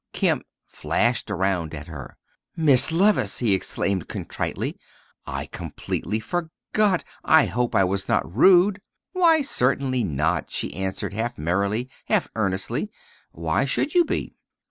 Kemp flashed around at her. "Miss Levice," he exclaimed contritely, "I completely forgot I hope I was not rude." "Why, certainly not," she answered half merrily, half earnestly. "Why should you be?"